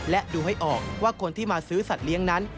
และดูให้ออกว่าคนที่มาซื้อสัตว์เลี้ยงนั้น